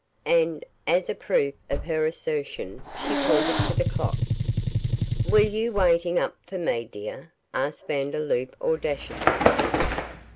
and, as a proof of her assertion, she pointed to the clock. 'Were you waiting up for me, dear?' asked Vandeloup, audaciously.